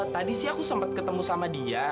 tadi sih aku sempat ketemu sama dia